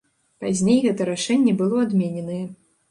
Пазней гэта рашэнне было адмененае.